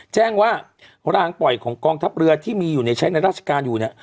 แจ้งว่ารางปล่อยของกองทัพเรือที่มีอยู่ในใช้ในราชการอยู่เนี่ย